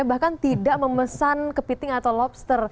bahkan tidak memesan kepiting atau lobster